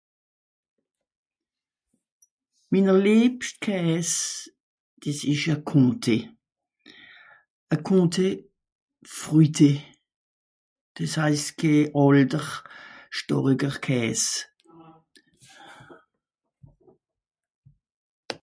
minner liebscht Käes des esch a comté a comté fruité des heisst ke àlter storiger Käes